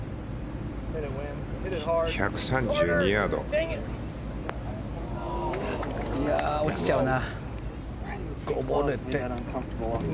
１３２ヤード。落ちちゃうな。